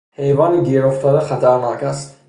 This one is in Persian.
حیوان گیر افتاده خطرناک است.